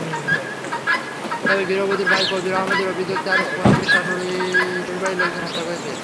তবে গৃহবধূর ভাই কবির আহমদের অভিযোগ, তাঁর বোনকে শ্বশুরবাড়ির লোকজন হত্যা করেছে।